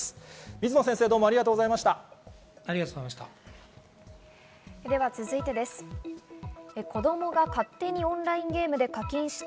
水野先生、ありがとうございました。